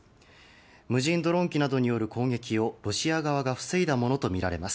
無人ドローン機などによる攻撃をロシア側が防いだものとみられます。